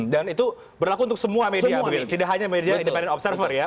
dan itu berlaku untuk semua media tidak hanya media independent observer ya